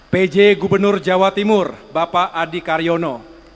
pj gubernur jawa timur bapak adi karyono